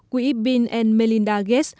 quỹ bill melinda gates